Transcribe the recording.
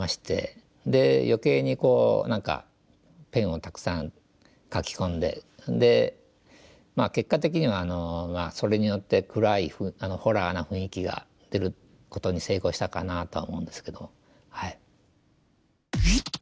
で余計にこう何かペンをたくさん描き込んでで結果的にはそれによって暗いホラーな雰囲気が出ることに成功したかなとは思うんですけど。